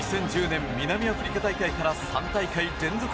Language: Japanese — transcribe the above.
２０１０年南アフリカ大会から３大会連続